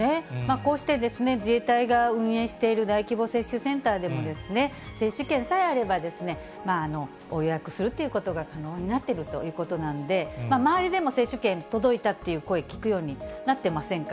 こうして自衛隊が運営している大規模接種センターでもですね、接種券さえあれば、予約するということが可能になっているということなので、周りでも接種券届いたっていう声、聞くようになっていませんか？